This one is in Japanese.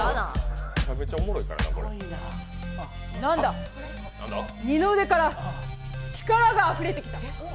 なんだ、二の腕から力があふれたきた。